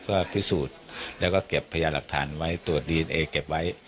เพื่อพิสูจน์แล้วก็เก็บพยานหลักฐานไว้ตรวจดีเอนเอเก็บไว้